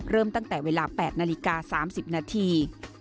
เริ่มตั้งแต่เวลา๘นาฬิกา๓๐นาที